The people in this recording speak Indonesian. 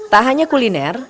tak hanya kuliner